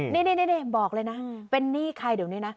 นี่บอกเลยนะเป็นหนี้ใครเดี๋ยวนี้นะ